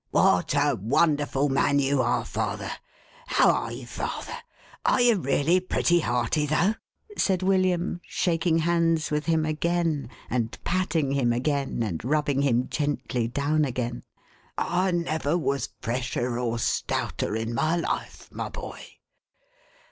" What a wonderful man you are, father !— How are you, father ? Are you really pretty hearty, though ?" said William, shaking hands with him again, and patting him again, and rubbing him gently down again. "I never was fresher or stouter in my life, my boy."